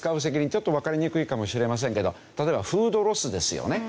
ちょっとわかりにくいかもしれませんけど例えばフードロスですよね。